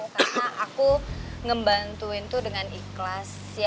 karena aku ngebantuin tuh dengan ikhlas